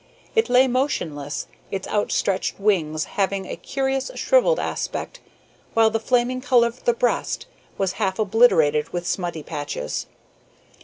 It lay motionless, its outstretched wings having a curious shrivelled aspect, while the flaming color of the breast was half obliterated with smutty patches.